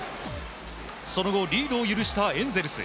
その後、リードを許したエンゼルス。